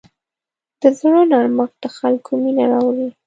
د زړه نرمښت د خلکو مینه راوړي.